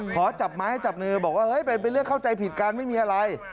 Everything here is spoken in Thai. ขอจับไม้ให้จับมือบอกว่าเฮ้ยเป็นเรื่องเข้าใจผิดกันไม่มีอะไร